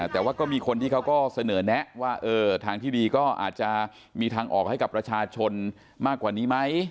แต่ว่าก็มีคนที่เขาก็เสนอแนะว่าทางที่ดีก็อาจจะมีทางออกให้กับประชาชนมากกว่านี้ไหม